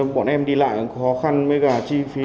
bọn em đi lại khó khăn với cả chi phí